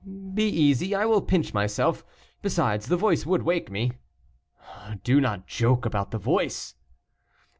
"Be easy; I will pinch myself. Besides, the voice would wake me." "Do not joke about the voice."